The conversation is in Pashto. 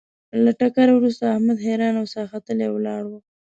له ټکر ورسته احمد حیران او ساه ختلی ولاړ و.